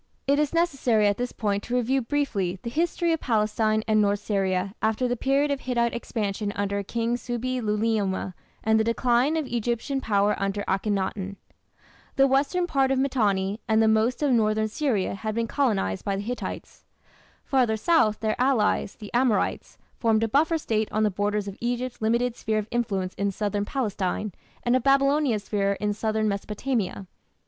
It is necessary at this point to review briefly the history of Palestine and north Syria after the period of Hittite expansion under King Subbi luliuma and the decline of Egyptian power under Akhenaton. The western part of Mitanni and the most of northern Syria had been colonized by the Hittites. Farther south, their allies, the Amorites, formed a buffer State on the borders of Egypt's limited sphere of influence in southern Palestine, and of Babylonia's sphere in southern Mesopotamia.